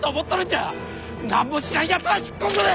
何も知らんやつは引っ込んどれ！